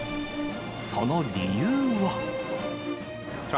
その理由は。